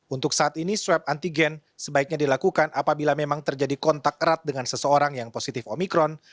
untuk saat ini swab antigen sebaiknya dilakukan apabila memang terjadi kontak erat dengan seseorang yang positif omikron